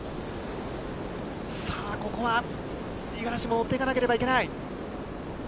さあ、ここは、五十嵐も乗っていかなければいけない。